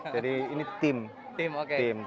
jadi ini tim